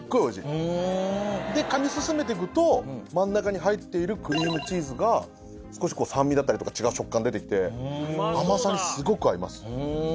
噛み進めていくと真ん中に入っているクリームチーズが少し酸味だったりとか違う食感出てきて甘さにすごく合います。